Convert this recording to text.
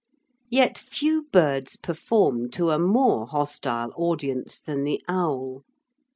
Yet few birds perform to a more hostile audience than the owl.